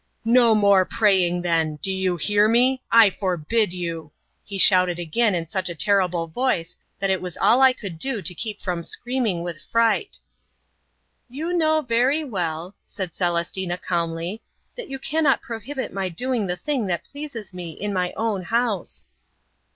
"No more praying then! Do you hear me? I forbid you!" he shouted again in such a terrible voice that it was all I could do to keep from screaming with fright "You know very well," said Celestina calmly, "that you cannot prohibit my doing the thing that pleases me in my own house."